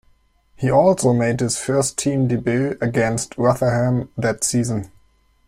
He also made his first team debut against Rotherham that season.